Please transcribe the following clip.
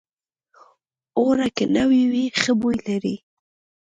اوړه که نوي وي، ښه بوی لري